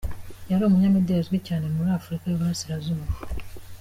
Yari umunyamideli uzwi cyane muri Afurika y’Uburasirazuba.